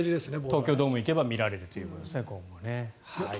東京ドームに行けば今後見られるということですね。